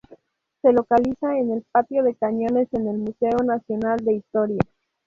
Se localiza en el Patio de Cañones en el Museo Nacional de Historia.